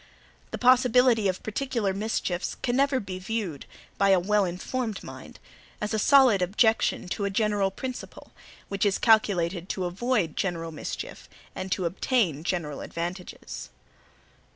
The possibility of particular mischiefs can never be viewed, by a wellinformed mind, as a solid objection to a general principle, which is calculated to avoid general mischiefs and to obtain general advantages.